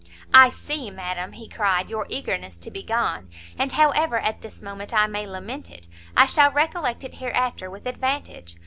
"I see, madam," he cried, "your eagerness to be gone, and however at this moment I may lament it, I shall recollect it hereafter with advantage.